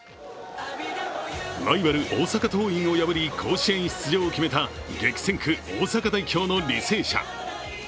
ライバル・大阪桐蔭を破り甲子園出場を決めた激戦区・大阪代表の履正社。